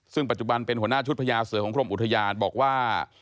ซึ่งปัจจุบันเป็นหัวหน้าชุดพญาเสือของกรมอุทยานบอกว่า